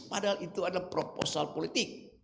padahal itu adalah proposal politik